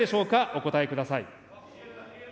お答えください。